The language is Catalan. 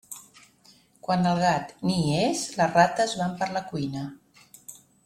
Quan el gat ni hi és, les rates van per la cuina.